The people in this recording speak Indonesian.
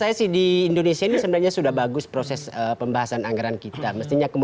kemudian artis pembuktian pondok okeaha ini ya sepertinya banyak institusi problema